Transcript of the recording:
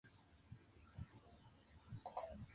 Pasó su infancia en su ciudad natal, Salta.